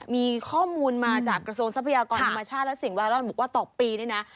มีข้อมูลมาจากกระทรวงทรัพยากรธรรมชาติและสิ่งแวดบอกว่าต่อปีนี่นะ